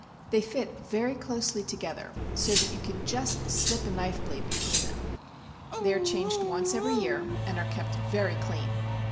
They fit very closely together, so that you can just slip a knife blade between them. They are changed once every year, and are kept very clean.